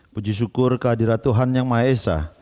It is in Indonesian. puji syukur kehadiran tuhan yang maha esa